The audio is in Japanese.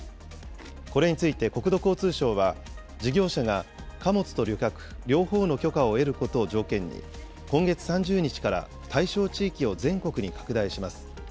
これについて国土交通省は、事業者が、貨物と旅客、両方の許可を得ることを条件に、今月３０日から対象地域を全国に拡大します。